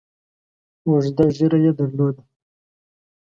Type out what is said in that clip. اوږده ږیره یې درلوده.